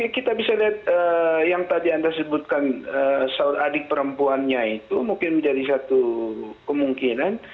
kita bisa lihat yang tadi anda sebutkan adik perempuannya itu mungkin menjadi satu kemungkinan